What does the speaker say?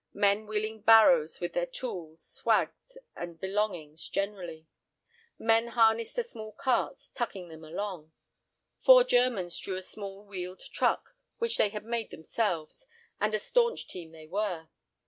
Men wheeling barrows with their tools, swags and belongings generally. Men harnessed to small carts, tugging them along. Four Germans drew a small wheeled truck, which they had made themselves, and a staunch team they were.